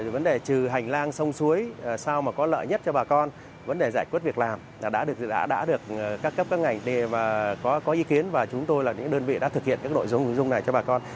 vấn đề trừ hành lang sông suối sao mà có lợi nhất cho bà con vấn đề giải quyết việc làm đã được các cấp các ngành và có ý kiến và chúng tôi là những đơn vị đã thực hiện các nội dung nội dung này cho bà con